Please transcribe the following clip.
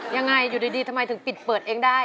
ยังไงอยู่ดีทำไมถึงปิดเปิดเองได้